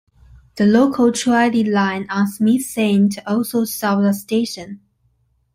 The local trolley line on Smith Saint also served the station.